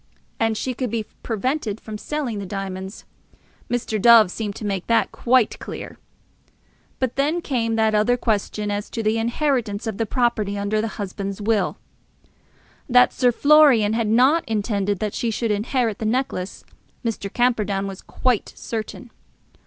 And she could be prevented from selling the diamonds. Mr. Dove seemed to make that quite clear. But then there came that other question, as to the inheritance of the property under the husband's will. That Sir Florian had not intended that she should inherit the necklace, Mr. Camperdown was quite certain.